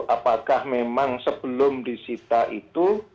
apakah memang sebelum disita itu